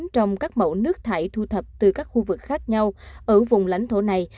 trong các mẫu nước thải thu thập từ các khu vực khác nhau ở vùng lãnh thổ này